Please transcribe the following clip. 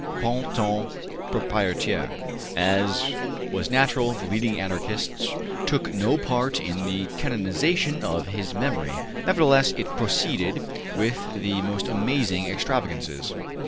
Pends ton proprietaire. As was natural, the leading Anarchists took no part in the canonization of his memory; nevertheless it proceeded, with the most amazing extravagances.